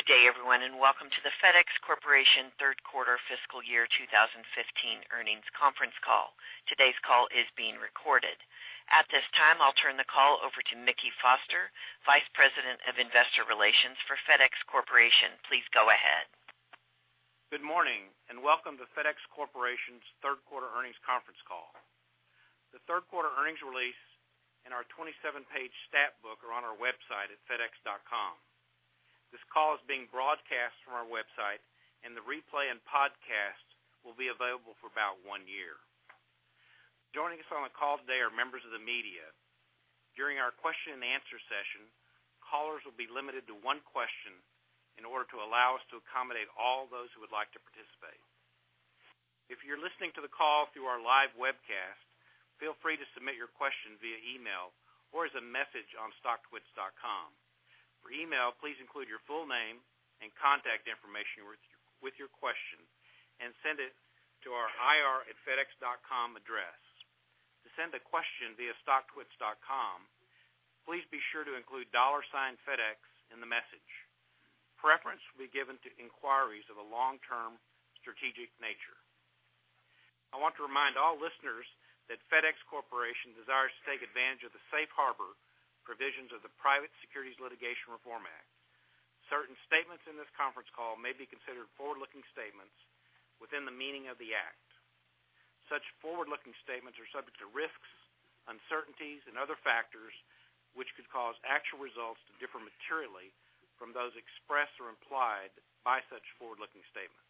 Good day, everyone, and welcome to the FedEx Corporation Third quarter Fiscal Year 2015 Earnings Conference Call. Today's call is being recorded. At this time, I'll turn the call over to Mickey Foster, Vice President of Investor Relations for FedEx Corporation. Please go ahead. Good morning, and welcome to FedEx Corporation's third quarter earnings conference call. The third quarter earnings release and our 27-page stat book are on our website at fedex.com. This call is being broadcast from our website, and the replay and podcast will be available for about one year. Joining us on the call today are members of the media. During our question and answer session, callers will be limited to one question in order to allow us to accommodate all those who would like to participate. If you're listening to the call through our live webcast, feel free to submit your question via email or as a message on stocktwits.com. For email, please include your full name and contact information with your question and send it to our ir@fedex.com address. To send a question via stocktwits.com, please be sure to include $FedEx in the message. Preference will be given to inquiries of a long-term strategic nature. I want to remind all listeners that FedEx Corporation desires to take advantage of the safe harbor provisions of the Private Securities Litigation Reform Act. Certain statements in this conference call may be considered forward-looking statements within the meaning of the Act. Such forward-looking statements are subject to risks, uncertainties, and other factors which could cause actual results to differ materially from those expressed or implied by such forward-looking statements.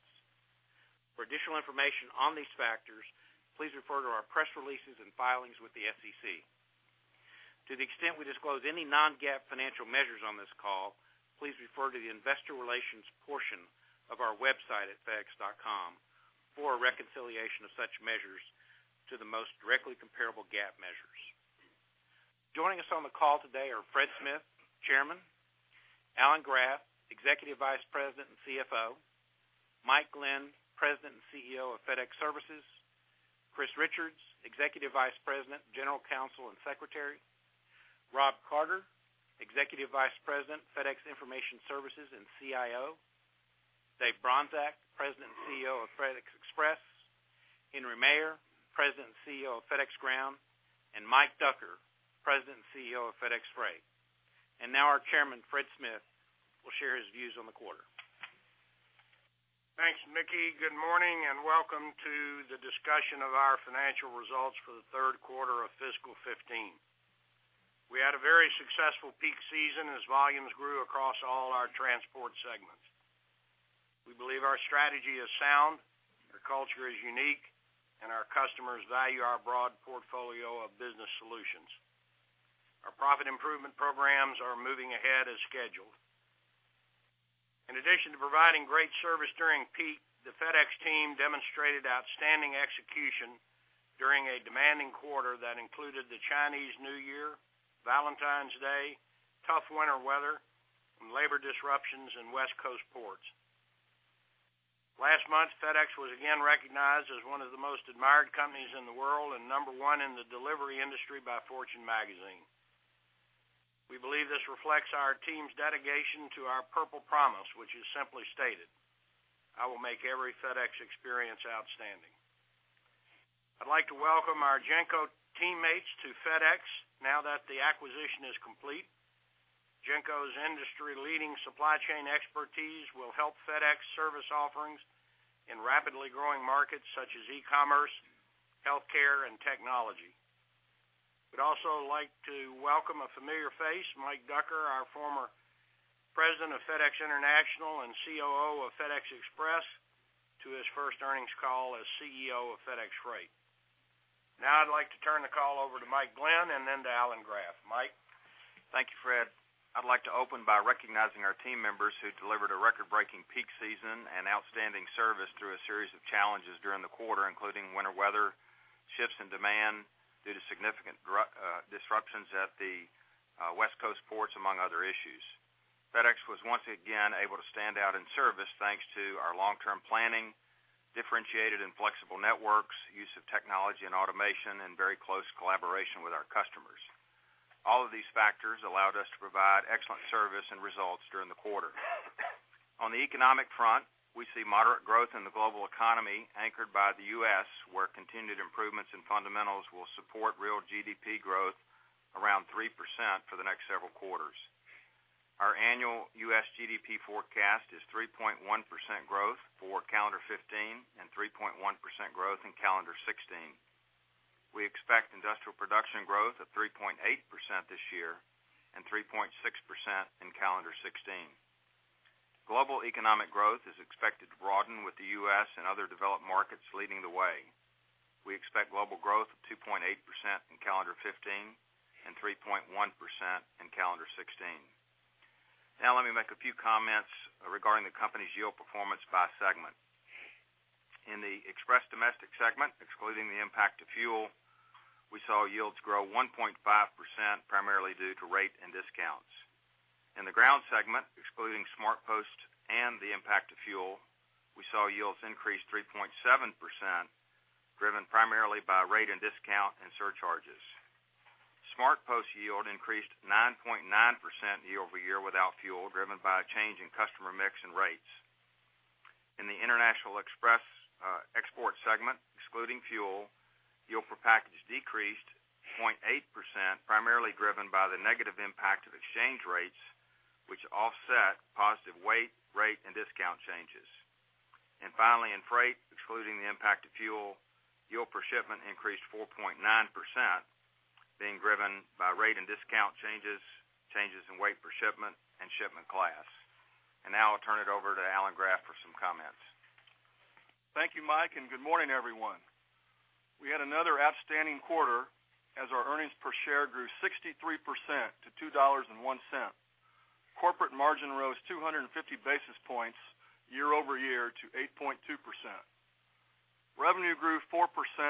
For additional information on these factors, please refer to our press releases and filings with the SEC. To the extent we disclose any non-GAAP financial measures on this call, please refer to the investor relations portion of our website at fedex.com for a reconciliation of such measures to the most directly comparable GAAP measures. Joining us on the call today are Fred Smith, Chairman, Alan Graf, Executive Vice President and CFO, Mike Glenn, President and CEO of FedEx Services, Chris Richards, Executive Vice President, General Counsel and Secretary, Rob Carter, Executive Vice President, FedEx Information Services and CIO, Dave Bronczek, President and CEO of FedEx Express, Henry Maier, President and CEO of FedEx Ground, and Mike Ducker, President and CEO of FedEx Freight. And now our chairman, Fred Smith, will share his views on the quarter. Thanks, Mickey. Good morning, and welcome to the discussion of our financial results for the third quarter of fiscal 2015. We had a very successful peak season as volumes grew across all our transport segments. We believe our strategy is sound, our culture is unique, and our customers value our broad portfolio of business solutions. Our profit improvement programs are moving ahead as scheduled. In addition to providing great service during peak, the FedEx team demonstrated outstanding execution during a demanding quarter that included the Chinese New Year, Valentine's Day, tough winter weather, and labor disruptions in West Coast ports. Last month, FedEx was again recognized as one of the most admired companies in the world and number one in the delivery industry by Fortune magazine. We believe this reflects our team's dedication to our Purple Promise, which is simply stated, "I will make every FedEx experience outstanding." I'd like to welcome our GENCO teammates to FedEx now that the acquisition is complete. GENCO's industry-leading supply chain expertise will help FedEx service offerings in rapidly growing markets such as e-commerce, healthcare, and technology. We'd also like to welcome a familiar face, Mike Ducker, our former President of FedEx International and COO of FedEx Express, to his first earnings call as CEO of FedEx Freight. Now I'd like to turn the call over to Mike Glenn and then to Alan Graf. Mike? Thank you, Fred. I'd like to open by recognizing our team members who delivered a record-breaking peak season and outstanding service through a series of challenges during the quarter, including winter weather, shifts in demand due to significant disruptions at the West Coast ports, among other issues. FedEx was once again able to stand out in service, thanks to our long-term planning, differentiated and flexible networks, use of technology and automation, and very close collaboration with our customers. All of these factors allowed us to provide excellent service and results during the quarter. On the economic front, we see moderate growth in the global economy, anchored by the U.S., where continued improvements in fundamentals will support real GDP growth around 3% for the next several quarters. Our annual U.S. GDP forecast is 3.1% growth for calendar 2015 and 3.1% growth in calendar 2016. We expect industrial production growth of 3.8% this year and 3.6% in calendar 2016. Global economic growth is expected to broaden, with the U.S. and other developed markets leading the way. We expect global growth of 2.8% in calendar 2015 and 3.1% in calendar 2016. Now, let me make a few comments regarding the company's yield performance by segment. In the Express Domestic segment, excluding the impact of fuel, we saw yields grow 1.5%, primarily due to rate and discounts. In the Ground segment, excluding SmartPost and the impact of fuel, we saw yields increase 3.7%, driven primarily by rate and discount and surcharges. SmartPost yield increased 9.9% year-over-year without fuel, driven by a change in customer mix and rates. In the International Express, export segment, excluding fuel, yield per package decreased 0.8%, primarily driven by the negative impact of exchange rates, which offset positive weight, rate, and discount changes. And finally, in Freight, excluding the impact of fuel, yield per shipment increased 4.9%, being driven by rate and discount changes, changes in weight per shipment, and shipment class. And now, I'll turn it over to Alan Graf for some comments. Thank you, Mike, and good morning, everyone. We had another outstanding quarter as our earnings per share grew 63% to $2.01. Corporate margin rose 250 basis points year-over-year to 8.2%. Revenue grew 4%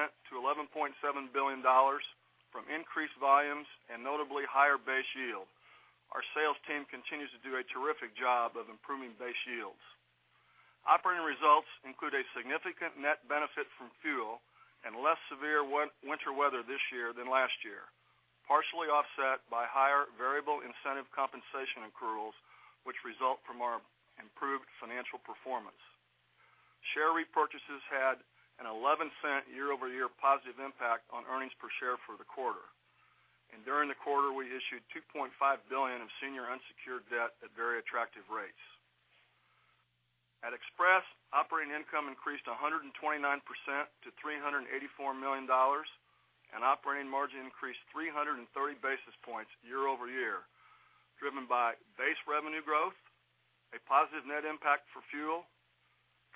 to $11.7 billion from increased volumes and notably higher base yield. Our sales team continues to do a terrific job of improving base yields. Operating results include a significant net benefit from fuel and less severe winter weather this year than last year, partially offset by higher variable incentive compensation accruals, which result from our improved financial performance. Share repurchases had an 11-cent year-over-year positive impact on earnings per share for the quarter. During the quarter, we issued $2.5 billion of senior unsecured debt at very attractive rates. At Express, operating income increased 129% to $384 million, and operating margin increased 330 basis points year-over-year, driven by base revenue growth, a positive net impact for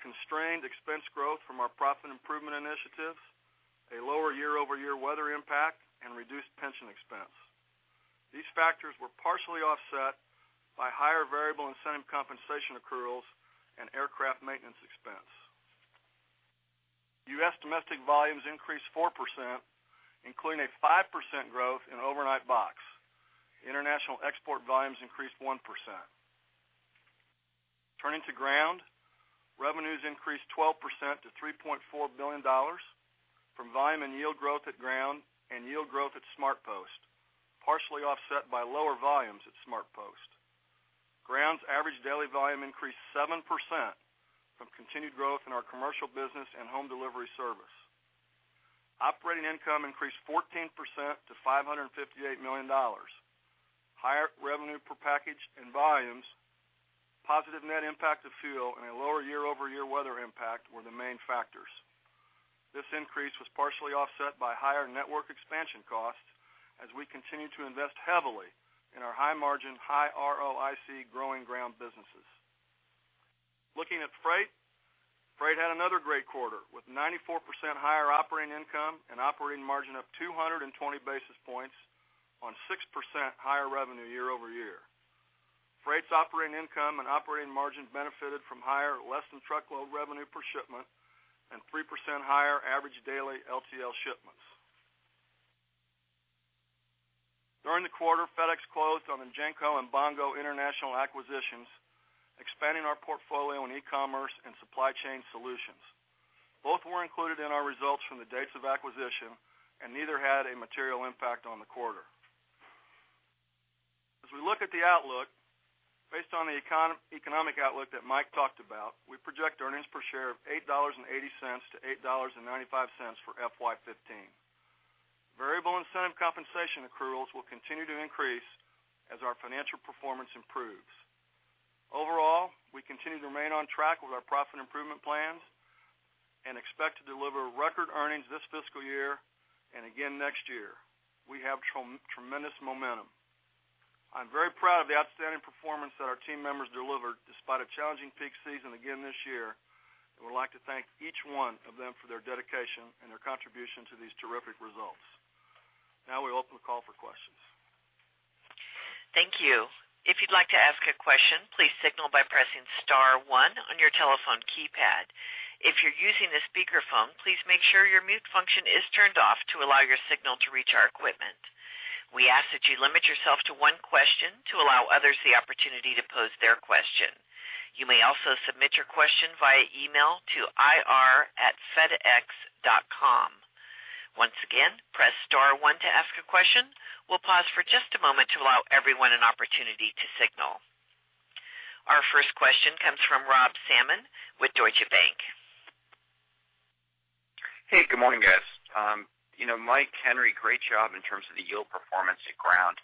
fuel, constrained expense growth from our profit improvement initiatives, a lower year-over-year weather impact, and reduced pension expense. These factors were partially offset by higher variable incentive compensation accruals and aircraft maintenance expense. U.S. domestic volumes increased 4%, including a 5% growth in overnight box. International export volumes increased 1%. Turning to Ground, revenues increased 12% to $3.4 billion from volume and yield growth at Ground and yield growth at SmartPost, partially offset by lower volumes at SmartPost. Ground's average daily volume increased 7% from continued growth in our commercial business and home delivery service. Operating income increased 14% to $558 million. Higher revenue per package and volumes, positive net impact of fuel, and a lower year-over-year weather impact were the main factors. This increase was partially offset by higher network expansion costs as we continue to invest heavily in our high-margin, high ROIC, growing ground businesses. Looking at Freight, Freight had another great quarter, with 94% higher operating income and operating margin up 220 basis points on 6% higher revenue year-over-year. Freight's operating income and operating margin benefited from higher less-than-truckload revenue per shipment and 3% higher average daily LTL shipments. During the quarter, FedEx closed on the GENCO and Bongo International acquisitions, expanding our portfolio in e-commerce and supply chain solutions. Both were included in our results from the dates of acquisition, and neither had a material impact on the quarter. As we look at the outlook, based on the economic outlook that Mike talked about, we project earnings per share of $8.80-$8.95 for FY 2015. Variable incentive compensation accruals will continue to increase as our financial performance improves. Overall, we continue to remain on track with our profit improvement plans and expect to deliver record earnings this fiscal year and again next year. We have tremendous momentum. I'm very proud of the outstanding performance that our team members delivered, despite a challenging peak season again this year. I would like to thank each one of them for their dedication and their contribution to these terrific results. Now, we open the call for questions. Thank you. If you'd like to ask a question, please signal by pressing star one on your telephone keypad. If you're using a speakerphone, please make sure your mute function is turned off to allow your signal to reach our equipment. We ask that you limit yourself to one question to allow others the opportunity to pose their question. You may also submit your question via email to ir@fedex.com. Once again, press star one to ask a question. We'll pause for just a moment to allow everyone an opportunity to signal. Our first question comes from Rob Salmon with Deutsche Bank. Hey, good morning, guys. You know, Mike, Henry, great job in terms of the yield performance at Ground.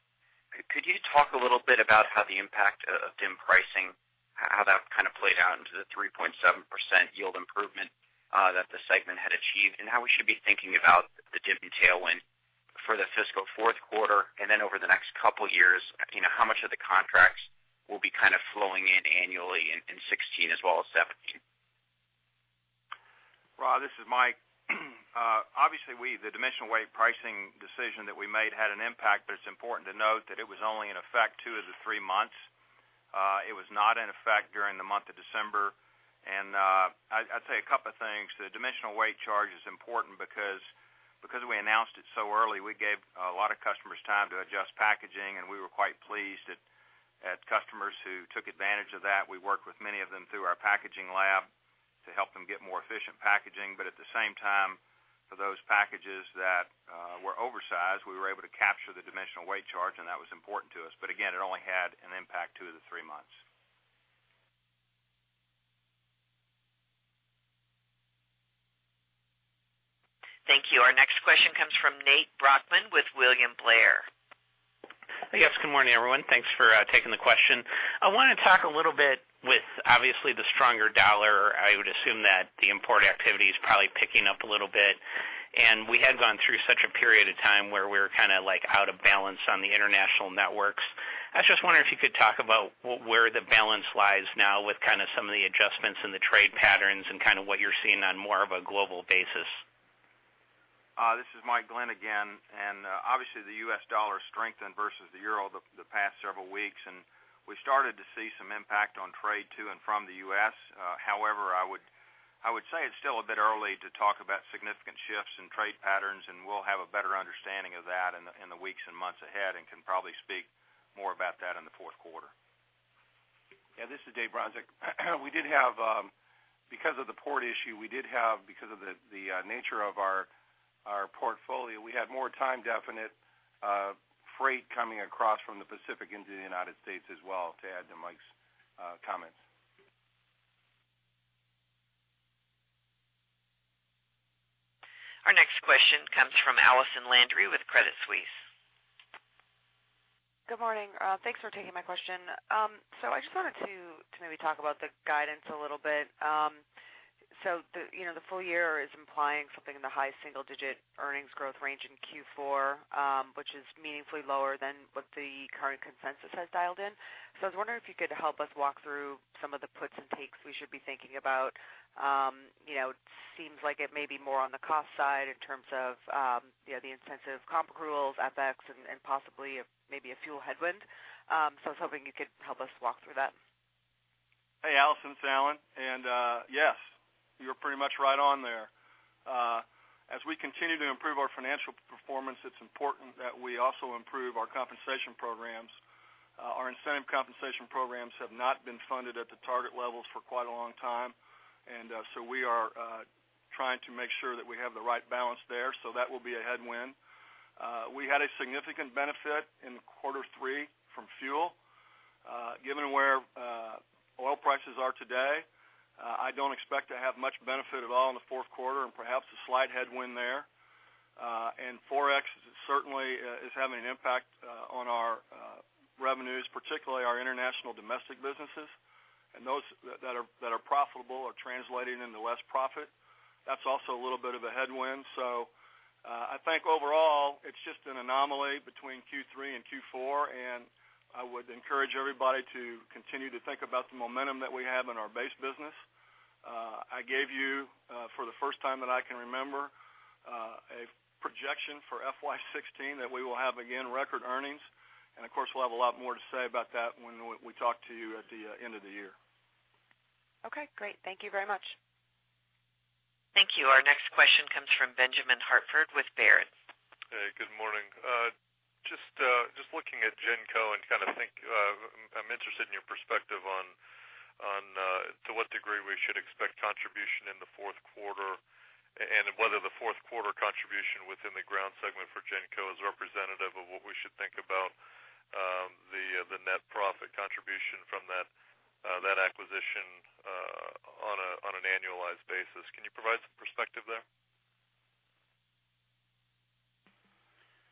Could you talk a little bit about how the impact of DIM pricing, how that kind of played out into the 3.7% yield improvement that the segment had achieved, and how we should be thinking about the DIM tailwind for the fiscal fourth quarter, and then over the next couple years, you know, how much of the contracts will be kind of flowing in annually in 2016 as well as 2017? Rob, this is Mike. Obviously, we the dimensional weight pricing decision that we made had an impact, but it's important to note that it was only in effect two of the three months. It was not in effect during the month of December. I'd say a couple of things. The dimensional weight charge is important because we announced it so early, we gave a lot of customers time to adjust packaging, and we were quite pleased at, had customers who took advantage of that. We worked with many of them through our packaging lab to help them get more efficient packaging. But at the same time, for those packages that were oversized, we were able to capture the dimensional weight charge, and that was important to us. But again, it only had an impact two of the three months. Thank you. Our next question comes from Nate Brochmannwith William Blair. Hey, guys. Good morning, everyone. Thanks for taking the question. I wanted to talk a little bit with, obviously, the stronger dollar. I would assume that the import activity is probably picking up a little bit. We had gone through such a period of time where we were kinda, like, out of balance on the international networks. I just wonder if you could talk about where the balance lies now with kinda some of the adjustments in the trade patterns and kinda what you're seeing on more of a global basis. This is Mike Glenn again, and obviously, the U.S. dollar strengthened versus the euro the past several weeks, and we started to see some impact on trade to and from the US. However, I would say it's still a bit early to talk about significant shifts in trade patterns, and we'll have a better understanding of that in the weeks and months ahead, and can probably speak more about that in the fourth quarter. Yeah, this is Dave Bronczek. We did have, because of the port issue, because of the nature of our portfolio, we had more time-definite freight coming across from the Pacific into the United States as well, to add to Mike's comments. Our next question comes from Allison Landry with Credit Suisse. Good morning. Thanks for taking my question. So I just wanted to maybe talk about the guidance a little bit. So the, you know, the full year is implying something in the high single-digit earnings growth range in Q4, which is meaningfully lower than what the current consensus has dialed in. So I was wondering if you could help us walk through some of the puts and takes we should be thinking about. You know, it seems like it may be more on the cost side in terms of, you know, the incentive comp accruals, FX, and possibly a maybe a fuel headwind. So I was hoping you could help us walk through that. Hey, Allison, it's Alan. And yes, you're pretty much right on there. As we continue to improve our financial performance, it's important that we also improve our compensation programs. Our incentive compensation programs have not been funded at the target levels for quite a long time, and so we are trying to make sure that we have the right balance there, so that will be a headwind. We had a significant benefit in quarter three from fuel. Given where oil prices are today, I don't expect to have much benefit at all in the fourth quarter and perhaps a slight headwind there. And Forex certainly is having an impact on our revenues, particularly our international domestic businesses, and those that are profitable are translating into less profit. That's also a little bit of a headwind. So, I think overall, it's just an anomaly between Q3 and Q4, and I would encourage everybody to continue to think about the momentum that we have in our base business. I gave you, for the first time that I can remember, a projection for FY 2016 that we will have, again, record earnings. And of course, we'll have a lot more to say about that when we talk to you at the end of the year. Okay, great. Thank you very much. Thank you. Our next question comes from Benjamin Hartford with Robert W. Baird & Co. Hey, good morning. Just looking at GENCO and kind of think, I'm interested in your perspective on to what degree we should expect contribution in the fourth quarter, and whether the fourth quarter contribution within the ground segment for GENCO is representative of what we should think about the net profit contribution from that acquisition on an annualized basis. Can you provide some perspective there?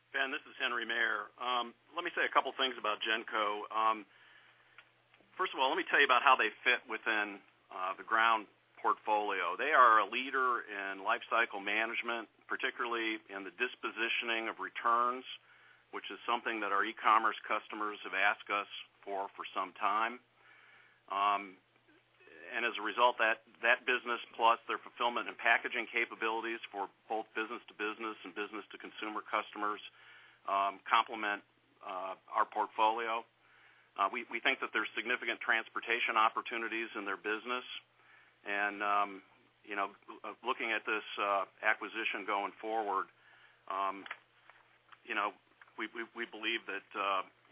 Ben, this is Henry Maier. Let me say a couple things about GENCO. First of all, let me tell you about how they fit within the ground portfolio. They are a leader in life cycle management, particularly in the dispositioning of returns, which is something that our e-commerce customers have asked us for for some time. And as a result, that business, plus their fulfillment and packaging capabilities for both business to business and business to consumer customers, complement our portfolio. We think that there's significant transportation opportunities in their business. And you know, looking at this acquisition going forward, you know, we believe that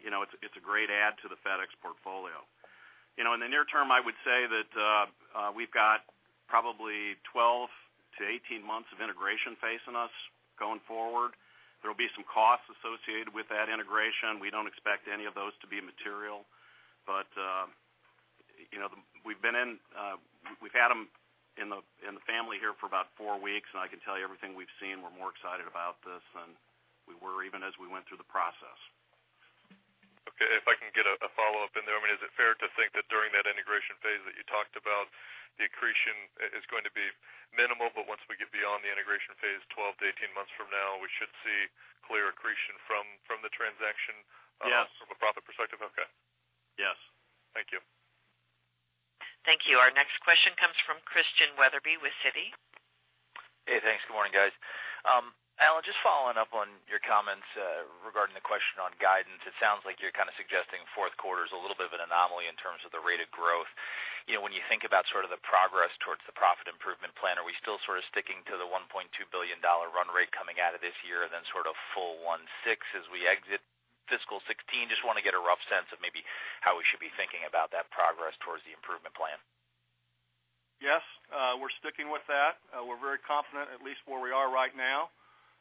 you know, it's a great add to the FedEx portfolio. You know, in the near term, I would say that, we've got probably 12-18 months of integration facing us going forward. There will be some costs associated with that integration. We don't expect any of those to be material. But, you know, we've been in, we've had them in the, in the family here for about 4 weeks, and I can tell you everything we've seen, we're more excited about this than we were even as we went through the process. Okay, if I can get a follow-up in there. I mean, is it fair to think that during that integration phase that you talked about, the accretion is going to be minimal, but once we get beyond the integration phase, 12-18 months from now, we should see clear accretion from, from the transaction- Yes. From a profit perspective? Okay. Yes. Thank you. Thank you. Our next question comes from Christian Weatherbee with Citi. Hey, thanks. Good morning, guys. Alan, just following up on your comments regarding the question on guidance, it sounds like you're kind of suggesting fourth quarter is a little bit of an anomaly in terms of the rate of growth. You know, when you think about sort of the progress towards the profit improvement plan, are we still sort of sticking to the $1.2 billion run rate coming out of this year and then sort of full $1.6 as we exit fiscal 2016? Just want to get a rough sense of maybe how we should be thinking about that progress towards the improvement plan. Yes, we're sticking with that. We're very confident, at least where we are right now.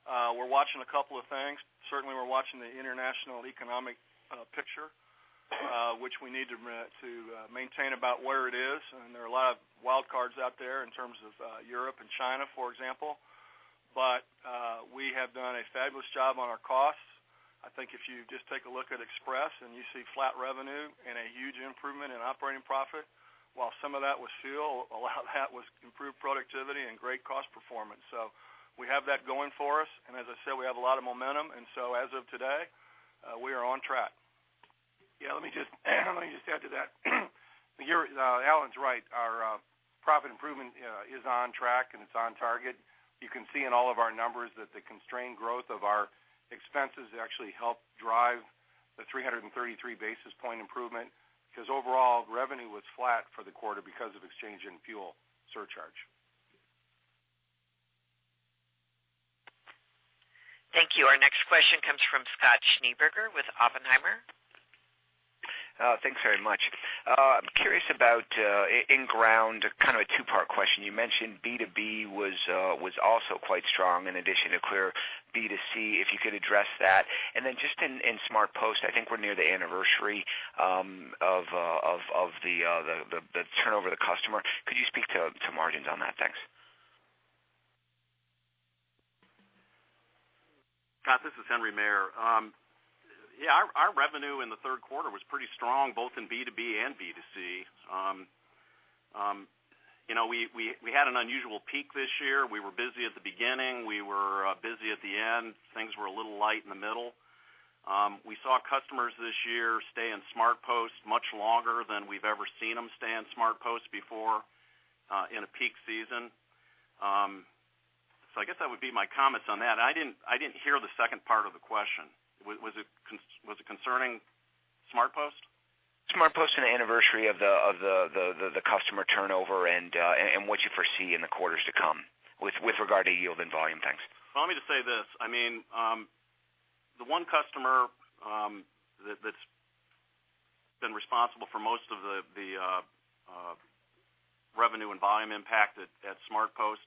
We're watching a couple of things. Certainly, we're watching the international economic picture, which we need to maintain about where it is, and there are a lot of wild cards out there in terms of Europe and China, for example. But we have done a fabulous job on our costs. I think if you just take a look at Express, and you see flat revenue and a huge improvement in operating profit, while some of that was fuel, a lot of that was improved productivity and great cost performance. So we have that going for us, and as I said, we have a lot of momentum, and so as of today, we are on track. Yeah, let me just, let me just add to that. You're, Alan's right. Our, profit improvement, is on track, and it's on target. You can see in all of our numbers that the constrained growth of our expenses actually helped drive the 333 basis point improvement, because overall, revenue was flat for the quarter because of exchange in fuel surcharge. Thank you. Our next question comes from Scott Schneeberger with Oppenheimer. Thanks very much. I'm curious about, in Ground, kind of a two-part question. You mentioned B2B was also quite strong in addition to clear B2C, if you could address that. And then just in SmartPost, I think we're near the anniversary of the turnover of the customer. Could you speak to margins on that? Thanks. Scott, this is Henry Maier. Yeah, our revenue in the third quarter was pretty strong, both in B2B and B2C. You know, we had an unusual peak this year. We were busy at the beginning. We were busy at the end. Things were a little light in the middle. We saw customers this year stay in SmartPost much longer than we've ever seen them stay in SmartPost before, in a peak season. So I guess that would be my comments on that. I didn't hear the second part of the question. Was it concerning SmartPost? SmartPost and the anniversary of the customer turnover, and what you foresee in the quarters to come with regard to yield and volume? Thanks. Well, let me just say this. I mean, the one customer that that's been responsible for most of the, the revenue and volume impact at SmartPost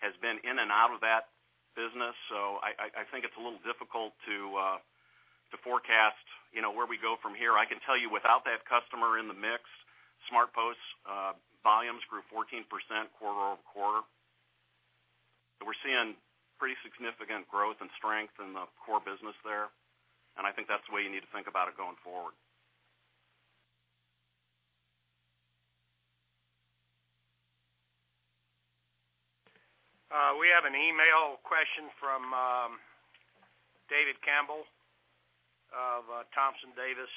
has been in and out of that business. So I think it's a little difficult to forecast, you know, where we go from here. I can tell you, without that customer in the mix, SmartPost volumes grew 14% quarter-over-quarter. So we're seeing pretty significant growth and strength in the core business there, and I think that's the way you need to think about it going forward. We have an email question from David Campbell of Thompson Davis.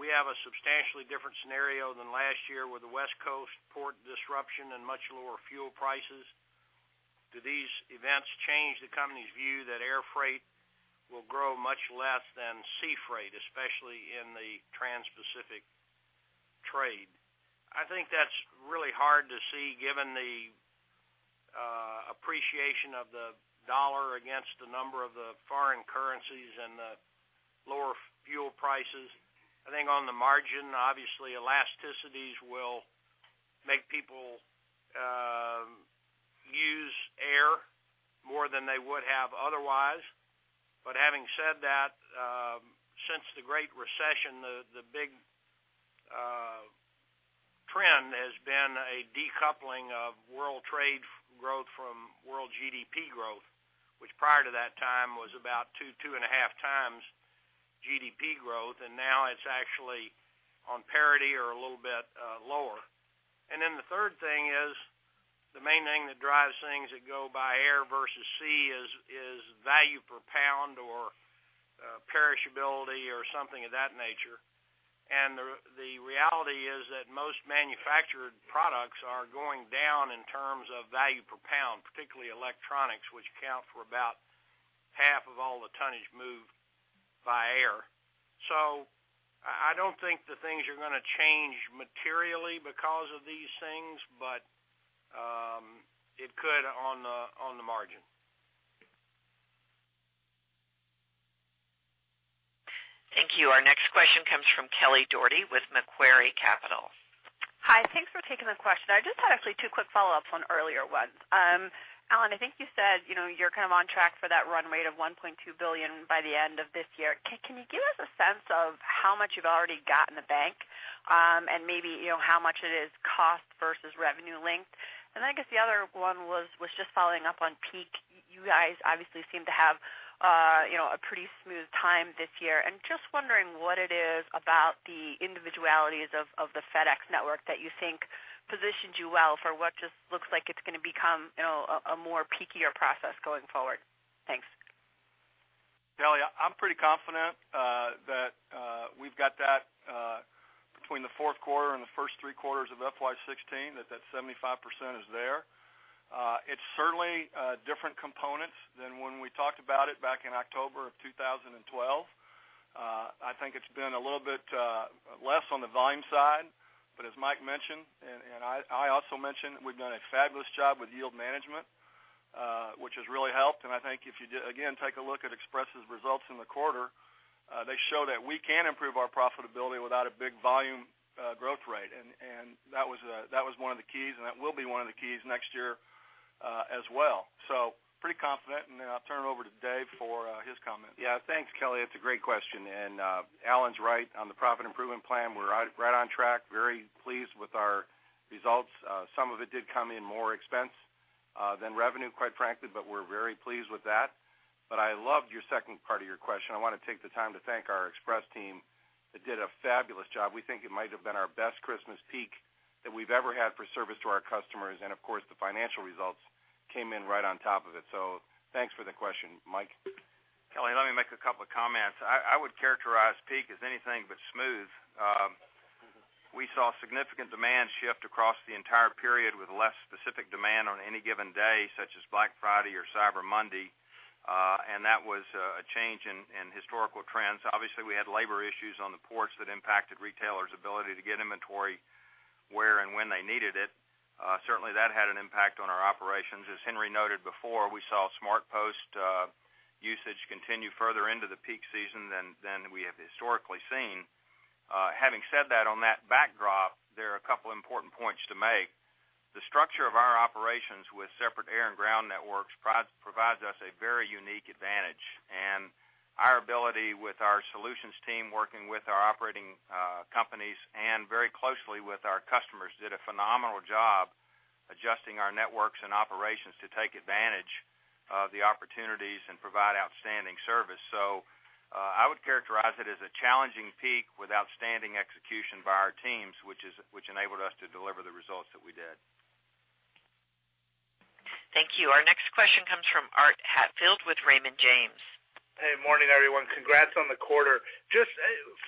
We have a substantially different scenario than last year with the West Coast port disruption and much lower fuel prices. Do these events change the company's view that air freight will grow much less than sea freight, especially in the Trans-Pacific trade? I think that's really hard to see, given the appreciation of the dollar against the number of the foreign currencies and the lower fuel prices. I think on the margin, obviously, elasticities will make people use air more than they would have otherwise. But having said that, since the Great Recession, the big trend has been a decoupling of world trade growth from world GDP growth, which prior to that time was about 2-2.5 times GDP growth, and now it's actually on parity or a little bit lower. And then the third thing is, the main thing that drives things that go by air versus sea is value per pound or perishability or something of that nature. And the reality is that most manufactured products are going down in terms of value per pound, particularly electronics, which account for about half of all the tonnage moved by air. So I don't think the things are gonna change materially because of these things, but it could on the margin. Thank you. Our next question comes from Kelly Dougherty with Macquarie Capital. Hi. Thanks for taking the question. I just had actually two quick follow-ups on earlier ones. Alan, I think you said, you know, you're kind of on track for that run rate of $1.2 billion by the end of this year. Can you give us a sense of how much you've already got in the bank? And maybe, you know, how much it is cost versus revenue linked. And then I guess the other one was just following up on peak. You guys obviously seem to have, you know, a pretty smooth time this year. And just wondering what it is about the individualities of the FedEx network that you think positioned you well for what just looks like it's gonna become, you know, a more peakier process going forward. Thanks. Kelly, I'm pretty confident that we've got that between the fourth quarter and the first three quarters of FY 2016, that 75% is there. It's certainly different components than when we talked about it back in October of 2012. I think it's been a little bit less on the volume side, but as Mike mentioned, and I also mentioned, we've done a fabulous job with yield management, which has really helped. And I think if you again take a look at Express's results in the quarter, they show that we can improve our profitability without a big volume growth rate. And that was one of the keys, and that will be one of the keys next year, as well. So pretty confident, and then I'll turn it over to Dave for his comment. Yeah. Thanks, Kelly. It's a great question. And Alan's right on the profit improvement plan. We're right on track, very pleased with our results. Some of it did come in more expense than revenue, quite frankly, but we're very pleased with that. But I loved your second part of your question. I wanna take the time to thank our Express team that did a fabulous job. We think it might have been our best Christmas peak that we've ever had for service to our customers, and of course, the financial results came in right on top of it. So thanks for the question, Mike. Kelly, let me make a couple of comments. I, I would characterize peak as anything but smooth. We saw significant demand shift across the entire period, with less specific demand on any given day, such as Black Friday or Cyber Monday. That was a change in historical trends. Obviously, we had labor issues on the ports that impacted retailers' ability to get inventory where and when they needed it. Certainly, that had an impact on our operations. As Henry noted before, we saw SmartPost usage continue further into the peak season than we have historically seen. Having said that, on that backdrop, there are a couple important points to make. The structure of our operations with separate air and ground networks provides us a very unique advantage. Our ability with our solutions team, working with our operating companies, and very closely with our customers, did a phenomenal job adjusting our networks and operations to take advantage of the opportunities and provide outstanding service. So, I would characterize it as a challenging peak with outstanding execution by our teams, which enabled us to deliver the results that we did. Thank you. Our next question comes from Art Hatfield with Raymond James. Hey, morning, everyone. Congrats on the quarter. Just,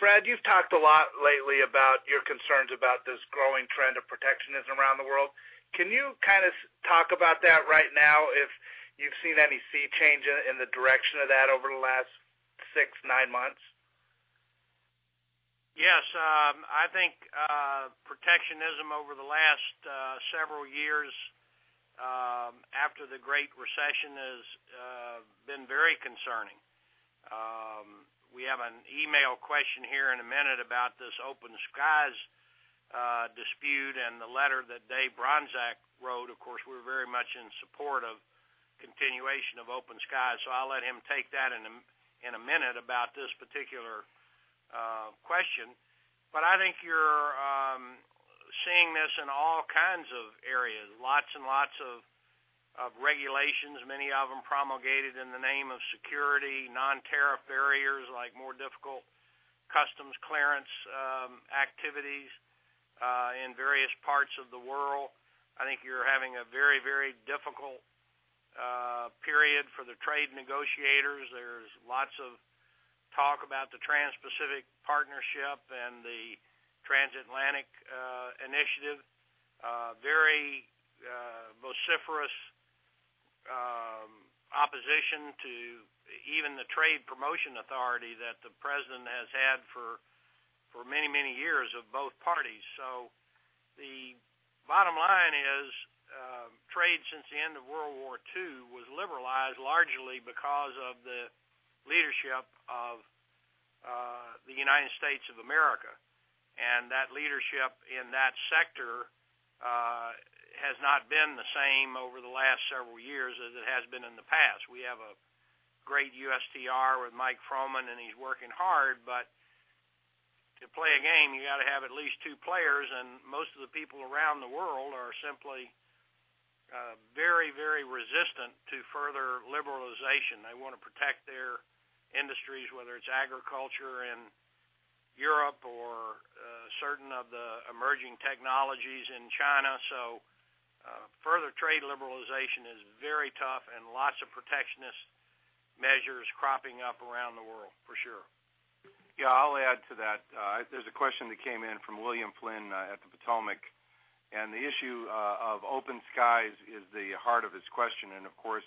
Fred, you've talked a lot lately about your concerns about this growing trend of protectionism around the world. Can you kind of talk about that right now, if you've seen any sea change in the direction of that over the last 6-9 months? Yes. I think, protectionism over the last, several years, after the Great Recession has, been very concerning. We have an email question here in a minute about this Open Skies, dispute and the letter that Dave Bronczek wrote. Of course, we're very much in support of continuation of Open Skies, so I'll let him take that in a, in a minute about this particular, question. But I think you're, seeing this in all kinds of areas, lots and lots of, of regulations, many of them promulgated in the name of security, non-tariff barriers, like more difficult customs clearance, activities, in various parts of the world. I think you're having a very, very difficult, period for the trade negotiators. There's lots of talk about the Trans-Pacific Partnership and the Transatlantic Initiative, very vociferous opposition to even the Trade Promotion Authority that the president has had for many, many years of both parties. So the bottom line is, trade since the end of World War II was liberalized largely because of the leadership of the United States of America, and that leadership in that sector has not been the same over the last several years as it has been in the past. We have a great USTR with Mike Froman, and he's working hard, but to play a game, you gotta have at least two players, and most of the people around the world are simply very, very resistant to further liberalization. They want to protect their industries, whether it's agriculture in Europe or, certain of the emerging technologies in China. So, further trade liberalization is very tough and lots of protectionist measures cropping up around the world, for sure. Yeah, I'll add to that. There's a question that came in from William Flynn at Atlas, and the issue of Open Skies is the heart of his question. And of course,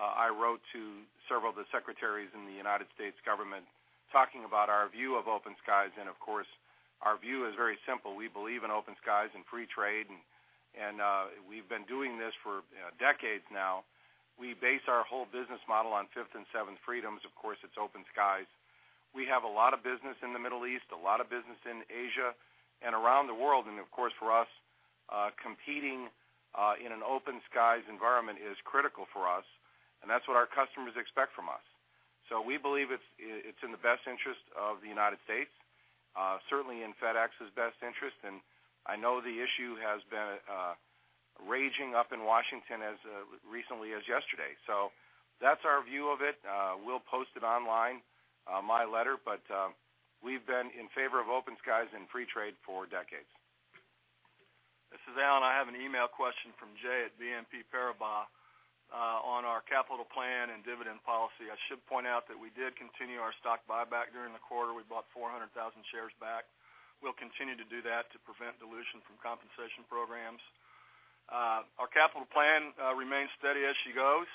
I wrote to several of the secretaries in the United States government talking about our view of Open Skies. And of course, our view is very simple. We believe in Open Skies and free trade, and we've been doing this for decades now. We base our whole business model on fifth and seventh freedoms. Of course, it's Open Skies. We have a lot of business in the Middle East, a lot of business in Asia and around the world. And of course, for us, competing in an Open Skies environment is critical for us, and that's what our customers expect from us. So we believe it's in the best interest of the United States, certainly in FedEx's best interest, and I know the issue has been raging up in Washington as recently as yesterday. So that's our view of it. We'll post it online, my letter, but we've been in favor of Open Skies and free trade for decades. This is Alan. I have an email question from Jay at BNP Paribas on our capital plan and dividend policy. I should point out that we did continue our stock buyback during the quarter. We bought 400,000 shares back. We'll continue to do that to prevent dilution from compensation programs. Our capital plan remains steady as she goes.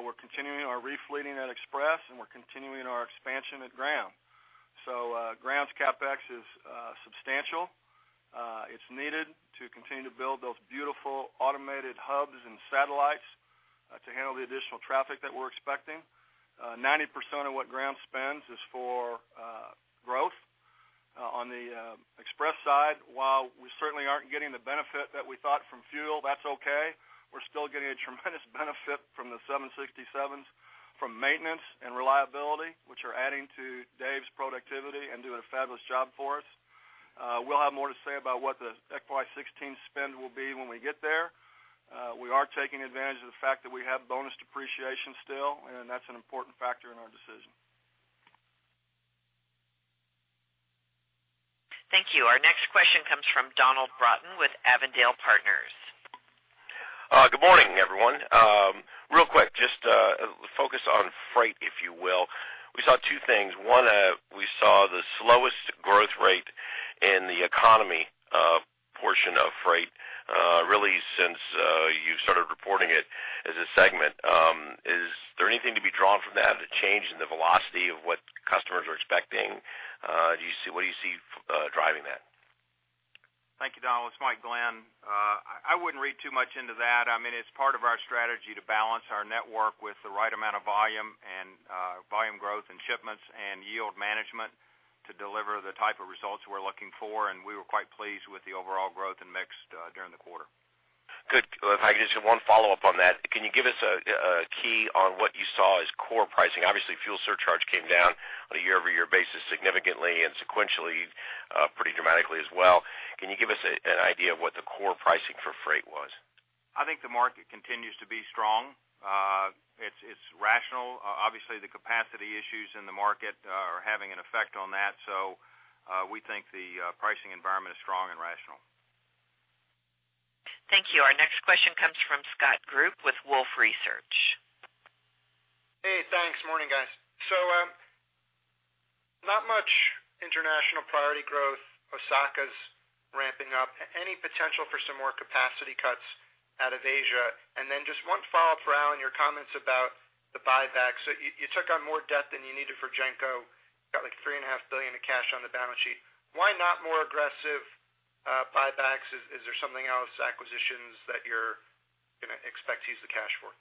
We're continuing our refleeting at Express, and we're continuing our expansion at Ground. So, Ground's CapEx is substantial. It's needed to continue to build those beautiful automated hubs and satellites to handle the additional traffic that we're expecting. 90% of what Ground spends is for growth. On the Express side, while we certainly aren't getting the benefit that we thought from fuel, that's okay. We're still getting a tremendous benefit from the 767s, from maintenance and reliability, which are adding to Dave's productivity and doing a fabulous job for us. We'll have more to say about what the FY 2016 spend will be when we get there. We are taking advantage of the fact that we have bonus depreciation still, and that's an important factor in our decision. Thank you. Our next question comes from Donald Broughton with Avondale Partners. Good morning, everyone. Real quick, just focus on Freight, if you will. We saw two things. One, we saw the slowest growth rate in the economy portion of Freight really since you started reporting it as a segment. Is there anything to be drawn from that, a change in the velocity of what customers are expecting? What do you see driving that? Thank you, Donald. It's Mike Glenn. I wouldn't read too much into that. I mean, it's part of our strategy to balance our network with the right amount of volume and volume growth and shipments and yield management to deliver the type of results we're looking for, and we were quite pleased with the overall growth and mix during the quarter. Good. If I could just have one follow-up on that. Can you give us a key on what you saw as core pricing? Obviously, fuel surcharge came down on a year-over-year basis, significantly and sequentially, pretty dramatically as well. Can you give us an idea of what the core pricing for Freight was? I think the market continues to be strong. It's rational. Obviously, the capacity issues in the market are having an effect on that, so we think the pricing environment is strong and rational. Thank you. Our next question comes from Scott Group with Wolfe Research. Hey, thanks. Morning, guys. So, not much international priority growth. Osaka's ramping up. Any potential for some more capacity cuts out of Asia? And then just one follow-up for Alan, your comments about the buyback. So you took on more debt than you needed for GENCO, got, like, $3.5 billion of cash on the balance sheet. Why not more aggressive buybacks? Is there something else, acquisitions that you're gonna expect to use the cash for?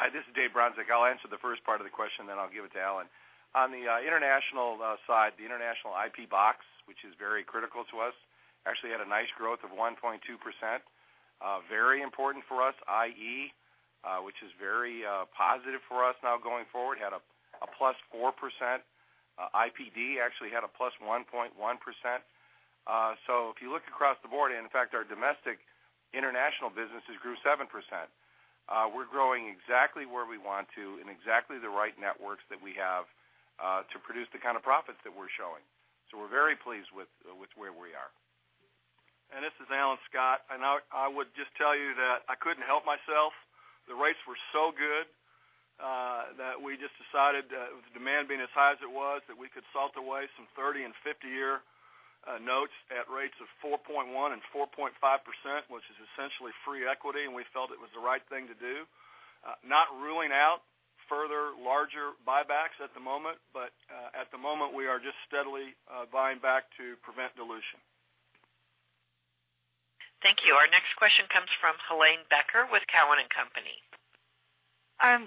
Hi, this is Dave Bronczek. I'll answer the first part of the question, then I'll give it to Alan. On the international side, the international IP box, which is very critical to us, actually had a nice growth of 1.2%. Very important for us, IE, which is very positive for us now going forward, had a +4%. IPD actually had a +1.1%. So if you look across the board, in fact, our domestic international businesses grew 7%. We're growing exactly where we want to in exactly the right networks that we have to produce the kind of profits that we're showing. So we're very pleased with where we are. And this is Alan Graf, and I would just tell you that I couldn't help myself. The rates were so good, that we just decided that with demand being as high as it was, that we could salt away some 30- and 50-year notes at rates of 4.1% and 4.5%, which is essentially free equity, and we felt it was the right thing to do. Not ruling out further, larger buybacks at the moment, but, at the moment, we are just steadily, buying back to prevent dilution. Thank you. Our next question comes from Helane Becker with Cowen and Company.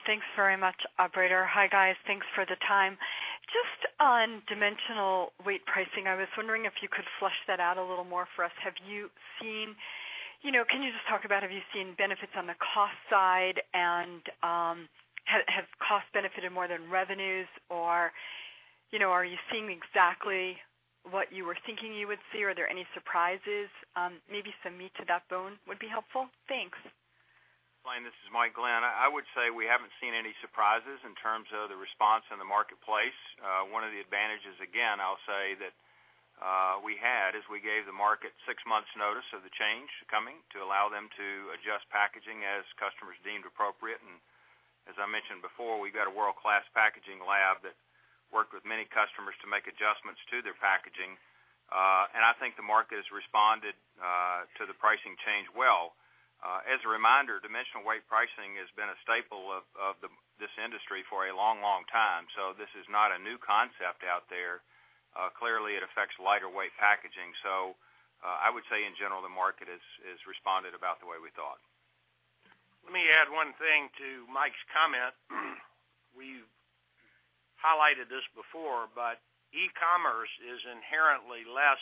Thanks very much, operator. Hi, guys. Thanks for the time. Just on dimensional weight pricing, I was wondering if you could flesh that out a little more for us. Have you seen... You know, can you just talk about, have you seen benefits on the cost side? And, have cost benefited more than revenues, or, you know, are you seeing exactly what you were thinking you would see? Are there any surprises? Maybe some meat to that bone would be helpful. Thanks. Helane, this is Mike Glenn. I would say we haven't seen any surprises in terms of the response in the marketplace. One of the advantages, again, I'll say, that we had, is we gave the market six months' notice of the change coming, to allow them to adjust packaging as customers deemed appropriate. And as I mentioned before, we've got a world-class packaging lab that worked with many customers to make adjustments to their packaging. And I think the market has responded to the pricing change well. As a reminder, dimensional weight pricing has been a staple of this industry for a long, long time, so this is not a new concept out there. Clearly, it affects lighter weight packaging, so I would say in general, the market has responded about the way we thought. Let me add one thing to Mike's comment. We've highlighted this before, but e-commerce is inherently less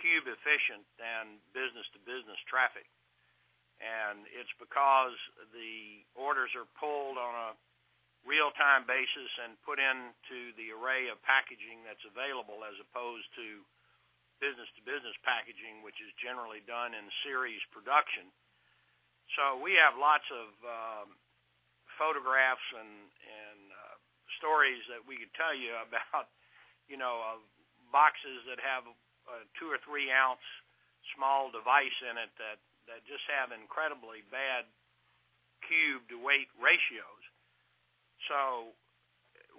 cube efficient than business-to-business traffic. And it's because the orders are pulled on a real-time basis and put into the array of packaging that's available, as opposed to business-to-business packaging, which is generally done in series production. So we have lots of photographs and stories that we could tell you about, you know, of boxes that have a two or three-ounce small device in it that just have incredibly bad cube-to-weight ratio. So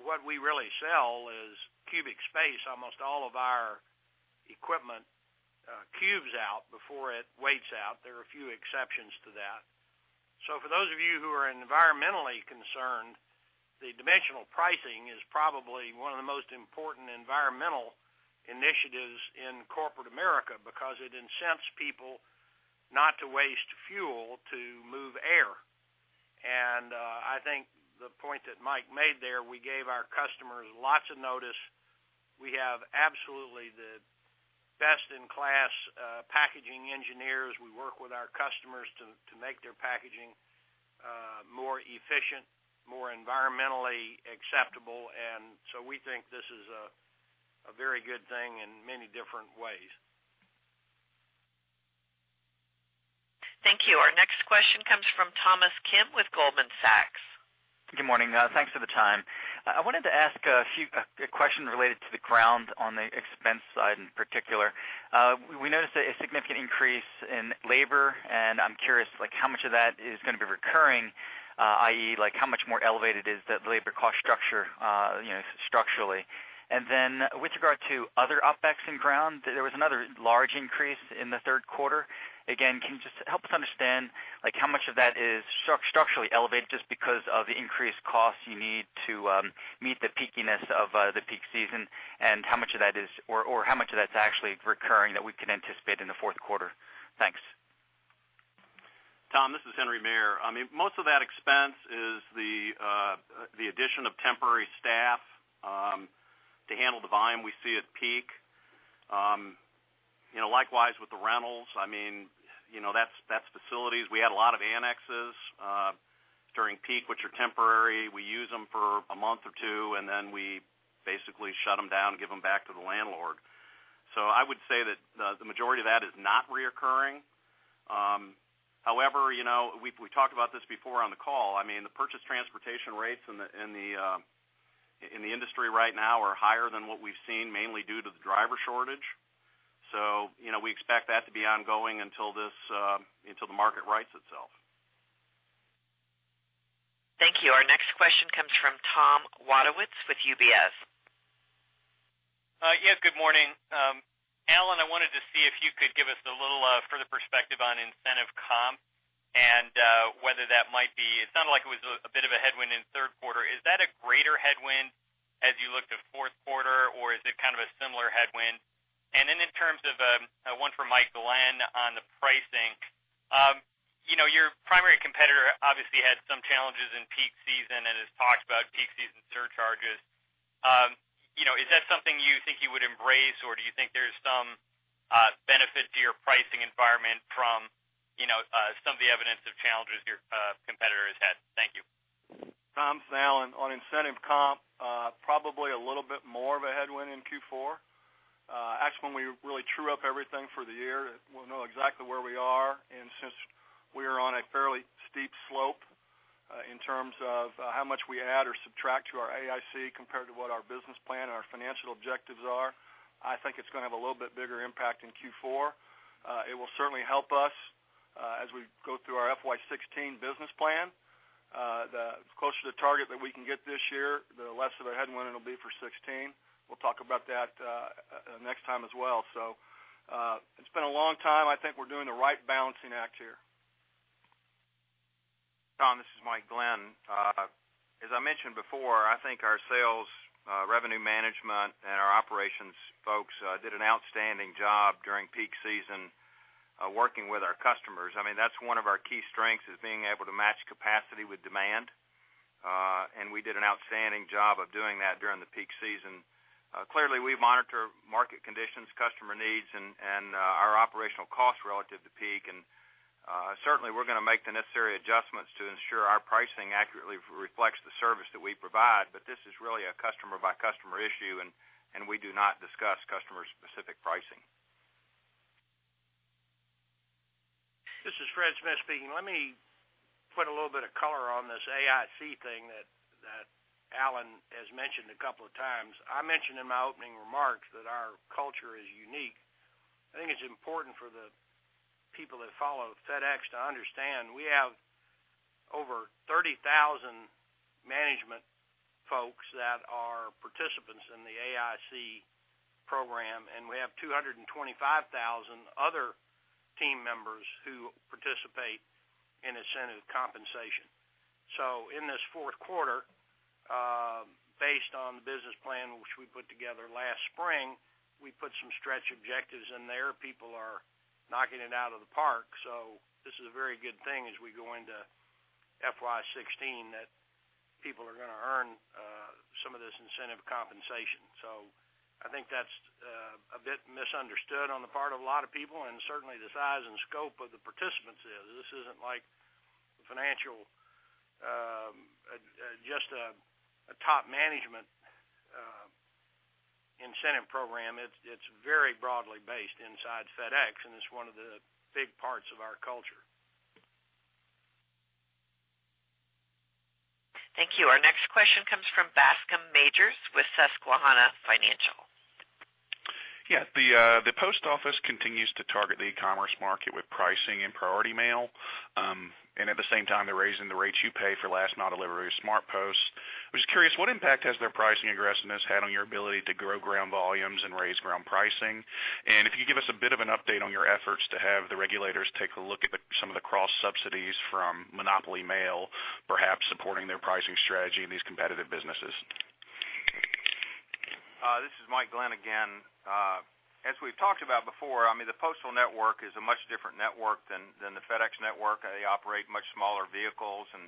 what we really sell is cubic space. Almost all of our equipment cubes out before it weights out. There are a few exceptions to that. So for those of you who are environmentally concerned, the dimensional pricing is probably one of the most important environmental initiatives in corporate America because it incents people not to waste fuel, to move air. And, I think the point that Mike made there, we gave our customers lots of notice. We have absolutely the best-in-class, packaging engineers. We work with our customers to, to make their packaging, more efficient, more environmentally acceptable, and so we think this is a very good thing in many different ways. Thank you. Our next question comes from Thomas Kim with Goldman Sachs. Good morning. Thanks for the time. I wanted to ask a question related to the ground on the expense side, in particular. We noticed a significant increase in labor, and I'm curious, like, how much of that is gonna be recurring, i.e., like, how much more elevated is the labor cost structure, you know, structurally? And then with regard to other OpEx in ground, there was another large increase in the third quarter. Again, can you just help us understand, like, how much of that is structurally elevated just because of the increased costs you need to meet the peakiness of the peak season, and how much of that is, or how much of that's actually recurring that we can anticipate in the fourth quarter? Thanks. Tom, this is Henry Maier. I mean, most of that expense is the addition of temporary staff to handle the volume we see at peak. You know, likewise, with the rentals, I mean, you know, that's facilities. We had a lot of annexes during peak, which are temporary. We use them for a month or two, and then we basically shut them down and give them back to the landlord. So I would say that the majority of that is not recurring. However, you know, we talked about this before on the call. I mean, the purchase transportation rates in the industry right now are higher than what we've seen, mainly due to the driver shortage. So, you know, we expect that to be ongoing until the market rights itself. Thank you. Our next question comes from Tom Wadewitz with UBS. Yes, good morning. Alan, I wanted to see if you could give us a little further perspective on incentive comp and whether that might be... It sounded like it was a bit of a headwind in the third quarter. Is that a greater headwind as you look to fourth quarter, or is it kind of a similar headwind? And then in terms of one for Mike Glenn on the pricing, you know, your primary competitor obviously had some challenges in peak season and has talked about peak season surcharges. You know, is that something you think you would embrace, or do you think there's some benefit to your pricing environment from, you know, some of the evidence of challenges your competitor has had? Thank you. Tom, this is Alan. On incentive comp, probably a little bit more of a headwind in Q4. Actually, when we really true up everything for the year, we'll know exactly where we are. And since we are on a fairly steep slope, in terms of how much we add or subtract to our AIC compared to what our business plan and our financial objectives are, I think it's gonna have a little bit bigger impact in Q4. It will certainly help us, as we go through our FY 2016 business plan. The closer to target that we can get this year, the less of a headwind it'll be for 2016. We'll talk about that, next time as well. So, it's been a long time. I think we're doing the right balancing act here. Tom, this is Mike Glenn. As I mentioned before, I think our sales, revenue management and our operations folks, did an outstanding job during peak season, working with our customers. I mean, that's one of our key strengths is being able to match capacity with demand. And we did an outstanding job of doing that during the peak season. Clearly, we monitor market conditions, customer needs, and our operational costs relative to peak. And certainly, we're gonna make the necessary adjustments to ensure our pricing accurately reflects the service that we provide, but this is really a customer-by-customer issue, and we do not discuss customer-specific pricing. This is Fred Smith speaking. Let me put a little bit of color on this AIC thing that, that Alan has mentioned a couple of times. I mentioned in my opening remarks that our culture is unique. I think it's important for the people that follow FedEx to understand we have over 30,000 management folks that are participants in the AIC program, and we have 225,000 other team members who participate in incentive compensation. So in this fourth quarter, based on the business plan, which we put together last spring, we put some stretch objectives in there. People are knocking it out of the park, so this is a very good thing as we go into FY 2016, that people are gonna earn some of this incentive compensation. So I think that's a bit misunderstood on the part of a lot of people, and certainly the size and scope of the participants is. This isn't like financial just a top management incentive program. It's very broadly based inside FedEx, and it's one of the big parts of our culture. Thank you. Our next question comes from Bascome Majors with Susquehanna Financial. Yeah, the post office continues to target the e-commerce market with pricing and Priority Mail. And at the same time, they're raising the rates you pay for last mile delivery of SmartPost. I was just curious, what impact has their pricing aggressiveness had on your ability to grow ground volumes and raise ground pricing? And if you could give us a bit of an update on your efforts to have the regulators take a look at the, some of the cross subsidies from monopoly mail, perhaps supporting their pricing strategy in these competitive businesses. This is Mike Glenn again. As we've talked about before, I mean, the postal network is a much different network than, than the FedEx network. They operate much smaller vehicles, and,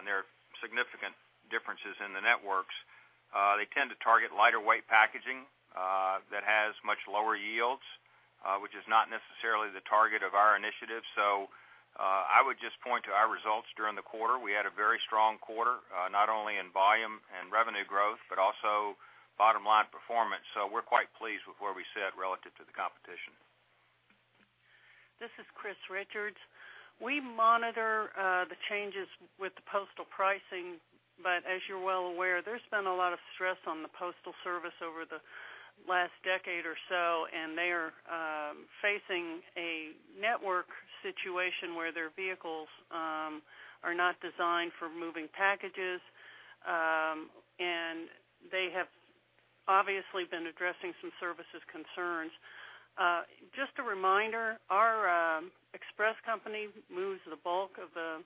and there are significant differences in the networks. They tend to target lighter weight packaging, that has much lower yields, which is not necessarily the target of our initiative. So, I would just point to our results during the quarter. We had a very strong quarter, not only in volume and revenue growth, but also bottom line performance. So we're quite pleased with where we sit relative to the competition. This is Chris Richards. We monitor the changes with the postal pricing, but as you're well aware, there's been a lot of stress on the Postal Service over the last decade or so, and they are facing a network situation where their vehicles are not designed for moving packages. And they have obviously been addressing some services concerns. Just a reminder, our express company moves the bulk of the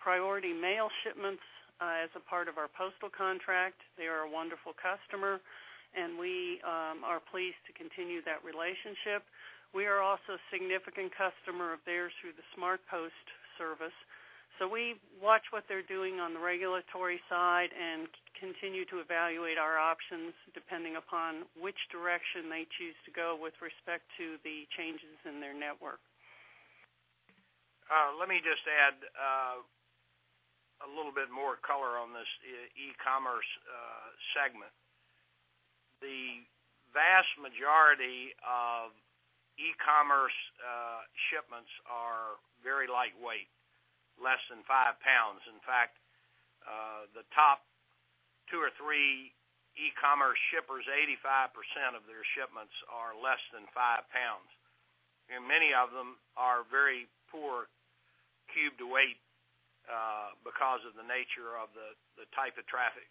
Priority Mail shipments as a part of our postal contract. They are a wonderful customer, and we are pleased to continue that relationship. We are also a significant customer of theirs through the SmartPost service. So we watch what they're doing on the regulatory side and continue to evaluate our options, depending upon which direction they choose to go with respect to the changes in their network. Let me just add a little bit more color on this e-commerce segment. The vast majority of e-commerce shipments are very lightweight, less than 5 pounds. In fact, the top 2 or 3 e-commerce shippers, 85% of their shipments are less than 5 pounds, and many of them are very poor cube weight, because of the nature of the type of traffic.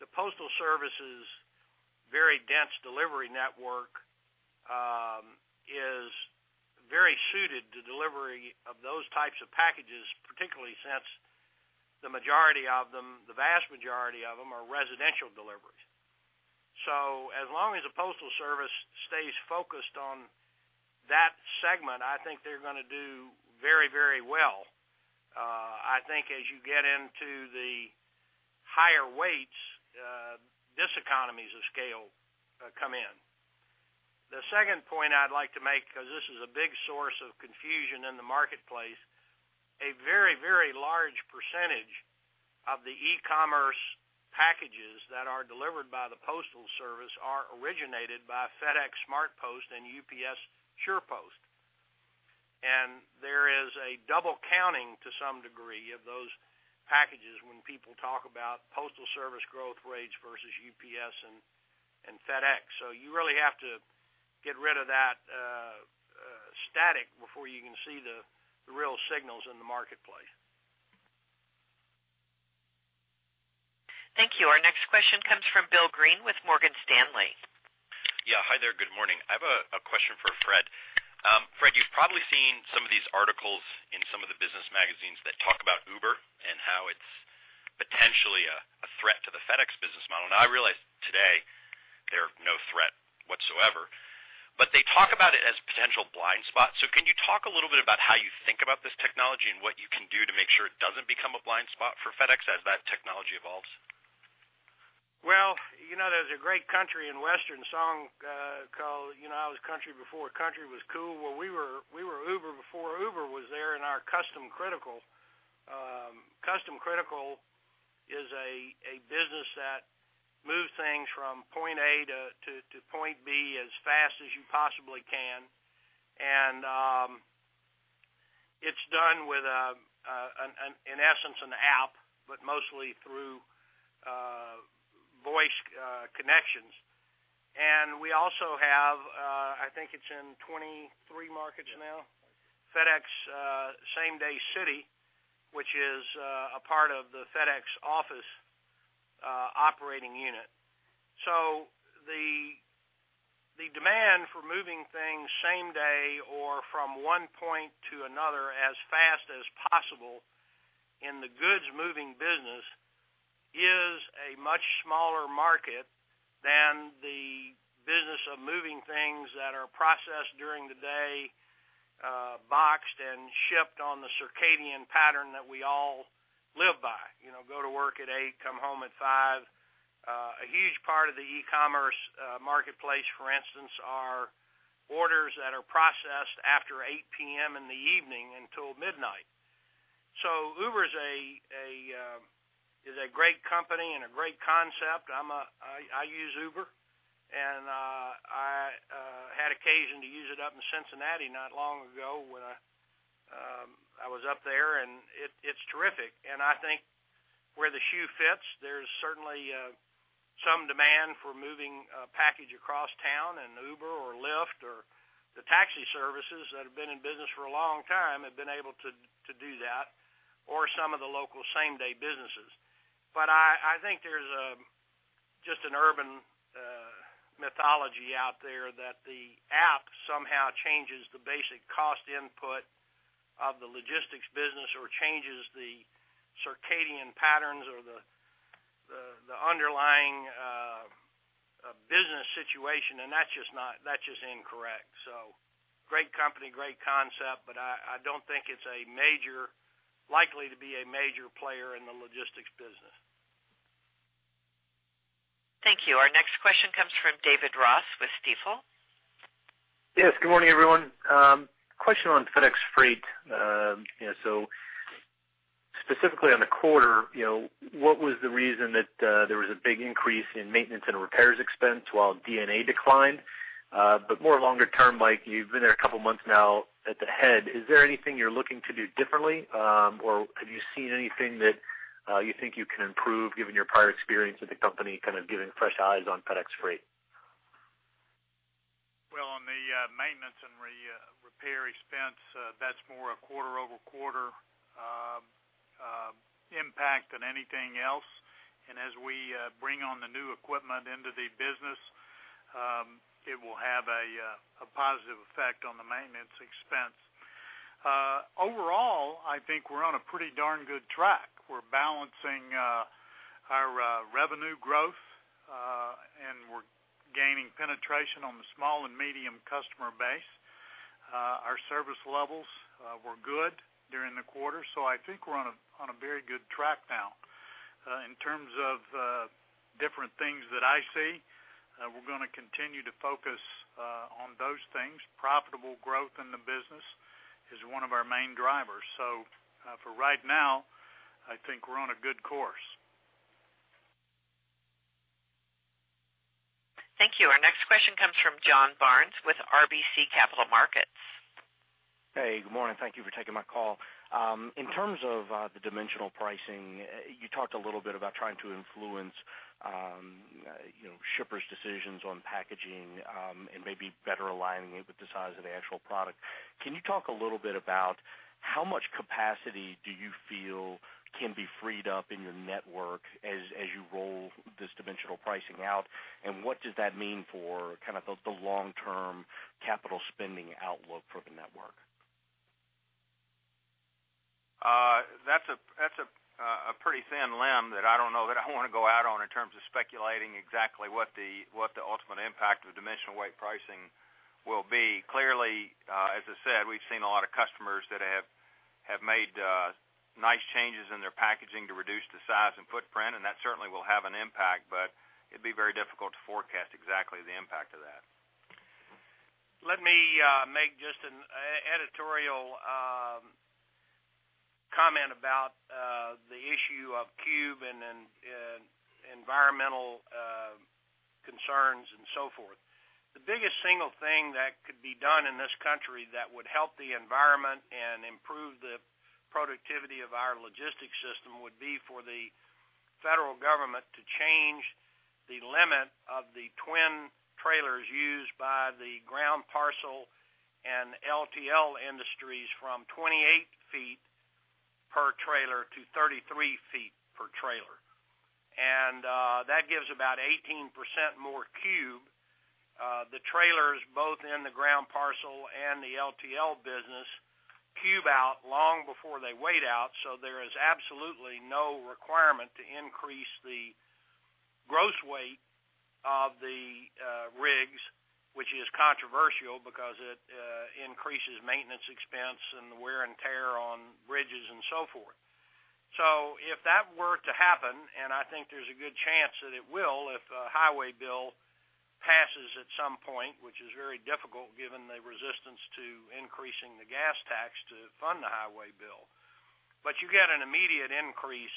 The Postal Service's very dense delivery network is very suited to delivery of those types of packages, particularly since the majority of them, the vast majority of them, are residential deliveries. So as long as the Postal Service stays focused on that segment, I think they're gonna do very, very well. I think as you get into the higher weights, diseconomies of scale come in. The second point I'd like to make, 'cause this is a big source of confusion in the marketplace, a very, very large percentage of the e-commerce packages that are delivered by the Postal Service are originated by FedEx SmartPost and UPS SurePost. There is a double counting to some degree of those packages when people talk about Postal Service growth rates versus UPS and, and FedEx. You really have to get rid of that static before you can see the real signals in the marketplace. Thank you. Our next question comes from Bill Greene with Morgan Stanley. Yeah. Hi there, good morning. I have a question for Fred. Fred, you've probably seen some of these articles in some of the business magazines that talk about Uber and how it's potentially a threat to the FedEx business model. Now, I realize today, they're no threat whatsoever, but they talk about it as potential blind spots. So can you talk a little bit about how you think about this technology and what you can do to make sure it doesn't become a blind spot for FedEx as that technology evolves? Well, you know, there's a great Country and Western song, called, you know, I Was Country Before Country Was Cool. Well, we were Uber before Uber was there in our Custom Critical. Custom Critical is a business that moves things from point A to point B, as fast as you possibly can. And it's done with, in essence, an app, but mostly through voice connections. And we also have, I think it's in 23 markets now? Yes. FedEx SameDay City, which is a part of the FedEx Office operating unit. So the demand for moving things same day or from one point to another, as fast as possible in the goods moving business, is a much smaller market than the business of moving things that are processed during the day, boxed and shipped on the circadian pattern that we all live by. You know, go to work at eight, come home at five. A huge part of the e-commerce marketplace, for instance, are orders that are processed after 8 P.M. in the evening until midnight. So Uber is a great company and a great concept. I'm a... I use Uber, and I had occasion to use it up in Cincinnati not long ago, when I-... I was up there, and it's terrific. I think where the shoe fits, there's certainly some demand for moving a package across town, and Uber or Lyft or the taxi services that have been in business for a long time have been able to do that, or some of the local same-day businesses. But I think there's just an urban mythology out there that the app somehow changes the basic cost input of the logistics business or changes the circadian patterns or the underlying business situation, and that's just not. That's just incorrect. So great company, great concept, but I don't think it's a major, likely to be a major player in the logistics business. Thank you. Our next question comes from David Ross with Stifel. Yes, good morning, everyone. Question on FedEx Freight. You know, so specifically on the quarter, you know, what was the reason that there was a big increase in maintenance and repairs expense while D&A declined? But more longer term, Mike, you've been there a couple months now at the head, is there anything you're looking to do differently? Or have you seen anything that you think you can improve given your prior experience with the company, kind of giving fresh eyes on FedEx Freight? Well, on the maintenance and repair expense, that's more a quarter-over-quarter impact than anything else. And as we bring on the new equipment into the business, it will have a positive effect on the maintenance expense. Overall, I think we're on a pretty darn good track. We're balancing our revenue growth, and we're gaining penetration on the small and medium customer base. Our service levels were good during the quarter, so I think we're on a very good track now. In terms of different things that I see, we're gonna continue to focus on those things. Profitable growth in the business is one of our main drivers. So, for right now, I think we're on a good course. Thank you. Our next question comes from John Barnes with RBC Capital Markets. Hey, good morning. Thank you for taking my call. In terms of the dimensional pricing, you talked a little bit about trying to influence, you know, shippers' decisions on packaging, and maybe better aligning it with the size of the actual product. Can you talk a little bit about how much capacity do you feel can be freed up in your network as you roll this dimensional pricing out, and what does that mean for kind of the long-term capital spending outlook for the network? That's a pretty thin limb that I don't know that I wanna go out on in terms of speculating exactly what the ultimate impact of dimensional weight pricing will be. Clearly, as I said, we've seen a lot of customers that have made nice changes in their packaging to reduce the size and footprint, and that certainly will have an impact, but it'd be very difficult to forecast exactly the impact of that. Let me make just an editorial comment about the issue of cube and then environmental concerns, and so forth. The biggest single thing that could be done in this country that would help the environment and improve the productivity of our logistics system would be for the federal government to change the limit of the twin trailers used by the ground parcel and LTL industries from 28 feet per trailer to 33 feet per trailer. That gives about 18% more cube. The trailers, both in the ground parcel and the LTL business, cube out long before they weight out, so there is absolutely no requirement to increase the gross weight of the rigs, which is controversial because it increases maintenance expense and the wear and tear on bridges, and so forth. So if that were to happen, and I think there's a good chance that it will, if a highway bill passes at some point, which is very difficult given the resistance to increasing the gas tax to fund the highway bill. But you get an immediate increase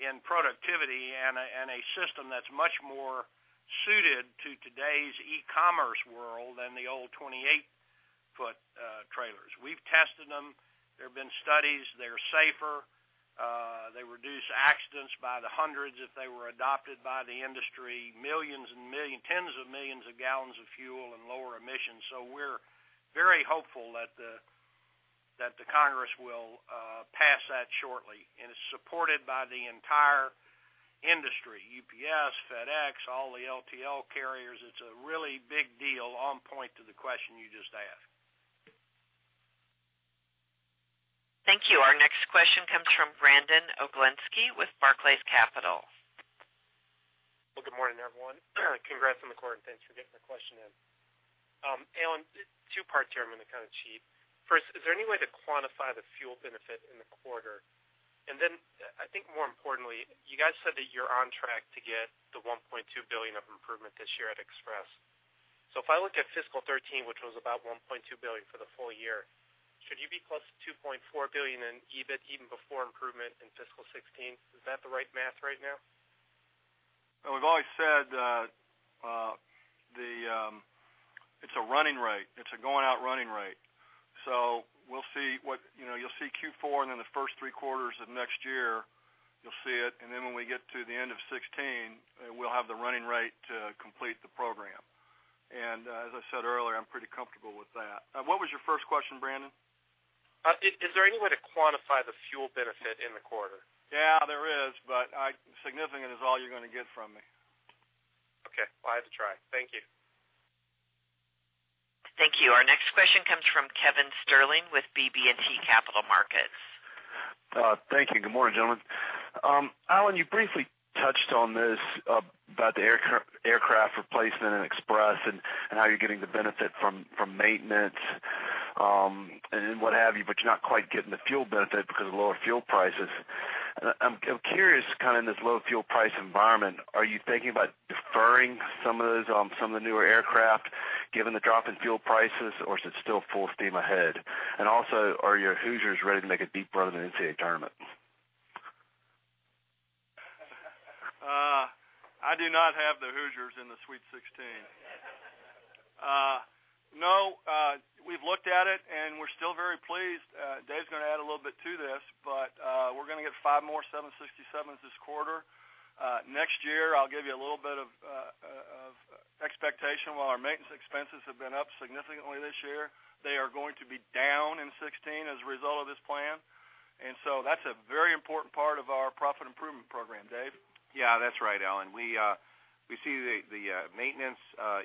in productivity and a system that's much more suited to today's e-commerce world than the old 28-foot trailers. We've tested them. There have been studies. They're safer. They reduce accidents by the hundreds if they were adopted by the industry, tens of millions of gallons of fuel and lower emissions. So we're very hopeful that the Congress will pass that shortly, and it's supported by the entire industry, UPS, FedEx, all the LTL carriers. It's a really big deal on point to the question you just asked. Thank you. Our next question comes from Brandon Oglenski with Barclays Capital. Well, good morning, everyone. Congrats on the quarter, and thanks for getting the question in. Alan, two parts here, I'm gonna kind of cheat. First, is there any way to quantify the fuel benefit in the quarter? And then, I think more importantly, you guys said that you're on track to get the $1.2 billion of improvement this year at Express. So if I look at fiscal 2013, which was about $1.2 billion for the full year, should you be close to $2.4 billion in EBIT, even before improvement in fiscal 2016? Is that the right math right now? Well, we've always said that, the, it's a running rate. It's a going out running rate. So we'll see what, you know, you'll see Q4, and then the first three quarters of next year, you'll see it, and then when we get to the end of 2016, we'll have the running rate to complete the program. And, as I said earlier, I'm pretty comfortable with that. What was your first question, Brandon? Is there any way to quantify the fuel benefit in the quarter? Yeah, there is, but, significant is all you're gonna get from me. Okay. Well, I had to try. Thank you. Thank you. Our next question comes from Kevin Sterling with BB&T Capital Markets. Thank you. Good morning, gentlemen. Alan, you briefly touched on this about the aircraft replacement and Express, and how you're getting the benefit from maintenance, and then what have you, but you're not quite getting the fuel benefit because of lower fuel prices. I'm curious, kind of in this low fuel price environment, are you thinking about deferring some of those on some of the newer aircraft, given the drop in fuel prices, or is it still full steam ahead? And also, are your Hoosiers ready to make a deep run in the NCAA tournament? I do not have the Hoosiers in the Sweet Sixteen. No, we've looked at it, and we're still very pleased. Dave's gonna add a little bit to this, but we're gonna get 5 more 767s this quarter. Next year, I'll give you a little bit of expectation. While our maintenance expenses have been up significantly this year, they are going to be down in 2016 as a result of this plan. And so that's a very important part of our profit improvement program. Dave? Yeah, that's right, Alan. We see the maintenance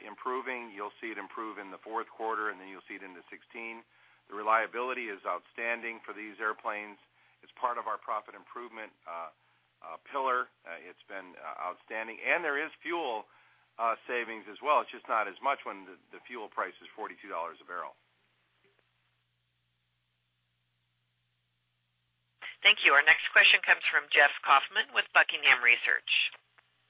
improving. You'll see it improve in the fourth quarter, and then you'll see it into 2016. The reliability is outstanding for these airplanes. As part of our profit improvement pillar, it's been outstanding, and there is fuel savings as well. It's just not as much when the fuel price is $42 a barrel. Thank you. Our next question comes from Jeff Kauffman with Buckingham Research.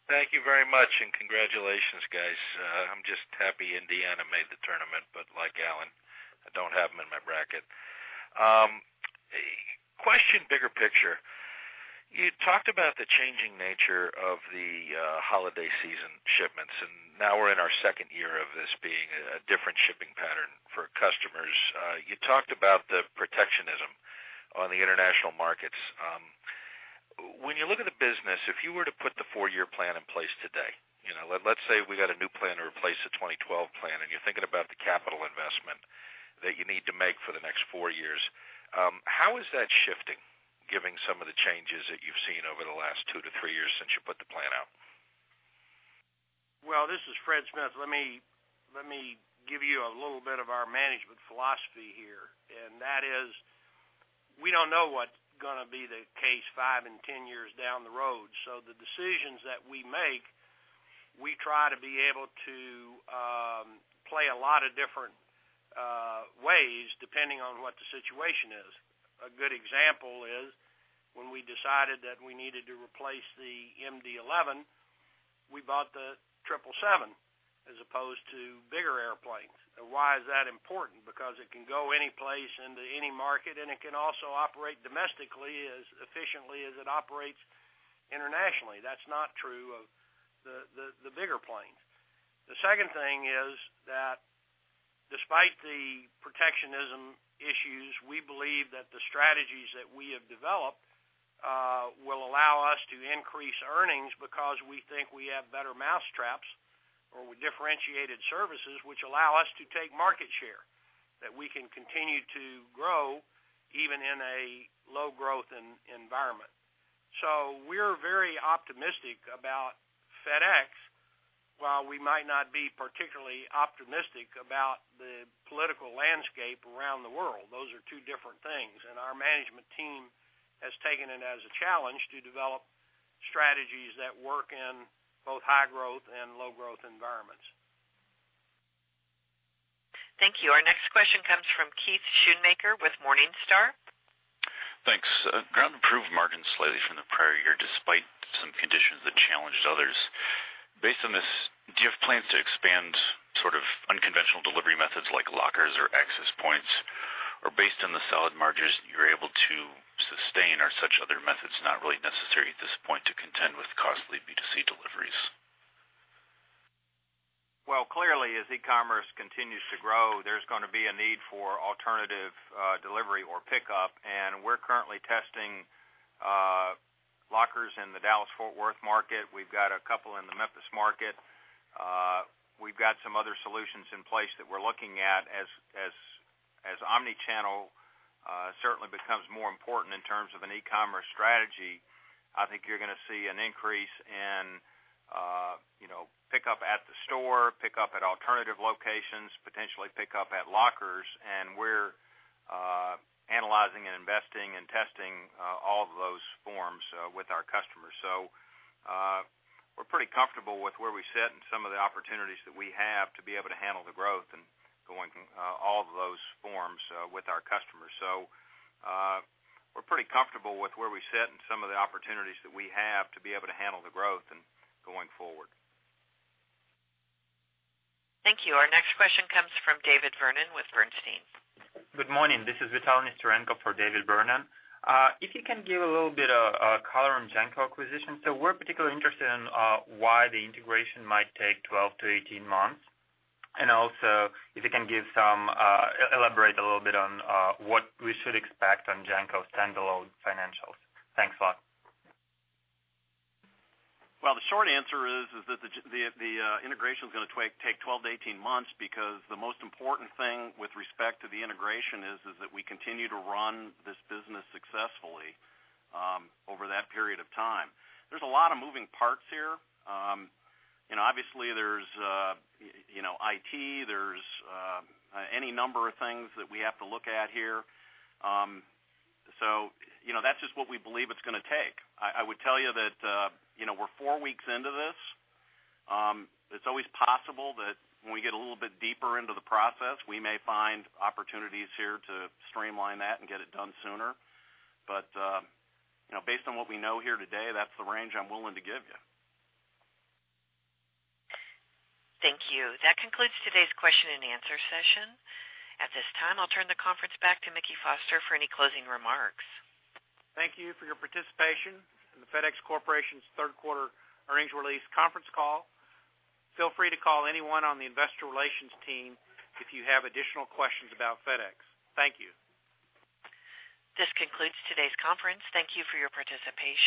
Thank you very much, and congratulations, guys. I'm just happy Indiana made the tournament, but like Alan, I don't have them in my bracket. Question, bigger picture, you talked about the changing nature of the holiday season shipments, and now we're in our second year of this being a different shipping pattern for customers. You talked about the protectionism on the international markets. When you look at the business, if you were to put the four-year plan in place today, you know, let's say we got a new plan to replace the 2012 plan, and you're thinking about the capital investment that you need to make for the next four years, how is that shifting, given some of the changes that you've seen over the last 2-3 years since you put the plan out? Well, this is Fred Smith. Let me, let me give you a little bit of our management philosophy here, and that is, we don't know what's gonna be the case five and ten years down the road. So the decisions that we make, we try to be able to play a lot of different ways, depending on what the situation is. A good example is when we decided that we needed to replace the MD-11, we bought the 777 as opposed to bigger airplanes. Now, why is that important? Because it can go any place into any market, and it can also operate domestically as efficiently as it operates internationally. That's not true of the, the, the bigger planes. The second thing is that despite the protectionism issues, we believe that the strategies that we have developed will allow us to increase earnings because we think we have better mousetraps or differentiated services, which allow us to take market share, that we can continue to grow, even in a low growth environment. So we're very optimistic about FedEx, while we might not be particularly optimistic about the political landscape around the world. Those are two different things, and our management team has taken it as a challenge to develop strategies that work in both high growth and low growth environments. Thank you. Our next question comes from Keith Schoonmaker with Morningstar. Thanks. Ground improved margins slightly from the prior year, despite some conditions that challenged others. Based on this, do you have plans to expand sort of unconventional delivery methods like lockers or access points, or based on the solid margins you're able to sustain, are such other methods not really necessary at this point to contend with costly B2C deliveries? Well, clearly, as e-commerce continues to grow, there's gonna be a need for alternative delivery or pickup, and we're currently testing lockers in the Dallas-Fort Worth market. We've got a couple in the Memphis market. We've got some other solutions in place that we're looking at as omni-channel certainly becomes more important in terms of an e-commerce strategy. I think you're gonna see an increase in, you know, pickup at the store, pickup at alternative locations, potentially pickup at lockers, and we're analyzing and investing and testing all of those forms with our customers. So, we're pretty comfortable with where we sit and some of the opportunities that we have to be able to handle the growth and going all of those forms with our customers. We're pretty comfortable with where we sit and some of the opportunities that we have to be able to handle the growth and going forward. Thank you. Our next question comes from David Vernon with Bernstein. Good morning. This is Vitaly sitting in for David Vernon. If you can give a little bit of color on GENCO acquisition. So we're particularly interested in why the integration might take 12-18 months, and also if you can give some elaborate a little bit on what we should expect on GENCO's standalone financials. Thanks a lot. Well, the short answer is that the integration is gonna take 12-18 months, because the most important thing with respect to the integration is that we continue to run this business successfully over that period of time. There's a lot of moving parts here. And obviously there's you know IT, there's any number of things that we have to look at here. So, you know, that's just what we believe it's gonna take. I would tell you that you know we're 4 weeks into this. It's always possible that when we get a little bit deeper into the process, we may find opportunities here to streamline that and get it done sooner. But you know based on what we know here today, that's the range I'm willing to give you. Thank you. That concludes today's question and answer session. At this time, I'll turn the conference back to Mickey Foster for any closing remarks. Thank you for your participation in the FedEx Corporation's third quarter earnings release conference call. Feel free to call anyone on the investor relations team if you have additional questions about FedEx. Thank you. This concludes today's conference. Thank you for your participation.